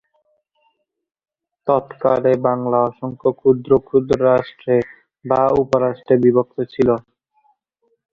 তৎকালে বাংলা অসংখ্য ক্ষুদ্র ক্ষুদ্র রাষ্ট্রে বা উপরাষ্ট্রে বিভক্ত ছিলো।